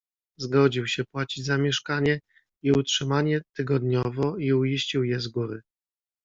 "Zgodził się płacić za mieszkanie i utrzymanie tygodniowo i uiścił je z góry."